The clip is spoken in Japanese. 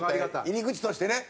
入り口としてね。